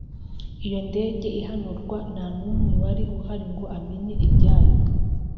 iyo ndege ihanurwa ntanumwe wari uhari ngo amenye ibyayo